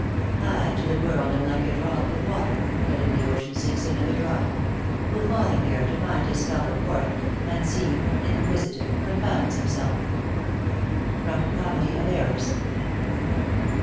I to the world am like a drop of water, That in the ocean seeks another drop ; Who, falling there to find his fellow forth, Unseen, inquisitive, confounds himself. COMEDY OP ERRORS.